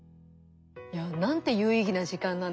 いやなんて有意義な時間なんでしょう。